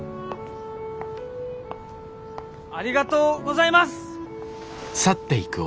ありがとうございます！